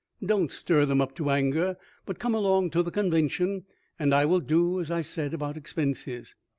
Don 't stir them up to anger, but come along to the convention and I will do as I said about expenses.